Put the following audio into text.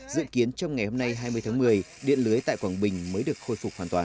dự kiến trong ngày hôm nay hai mươi tháng một mươi điện lưới tại quảng bình mới được khôi phục hoàn toàn